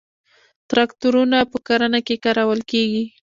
تراکتورونه په کرنه کې کارول کیږي